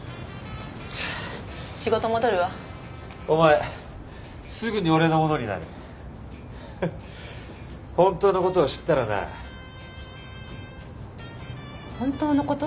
仕事戻るわお前すぐに俺のものになるヘッ本当のことを知ったらな本当のこと？